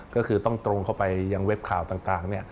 ก็คือต้องตรงเข้าไปยังเว็บข่าวต่าง